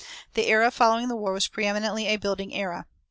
The era following the war was preëminently a "building era."